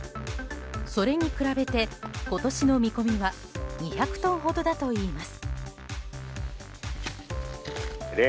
それに比べて今年の見込みは２００トンほどだといいます。